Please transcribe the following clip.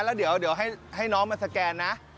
แล้วเดี๋ยวให้น้องมาสแกนนะ